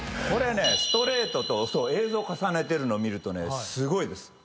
これねストレートと映像を重ねてるの見るとすごい。